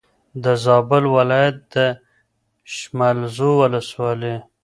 د زابل ولایت د شملزو ولسوالي